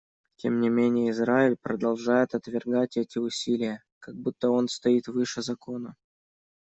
Тем не менее Израиль продолжает отвергать эти усилия, как будто он стоит выше закона.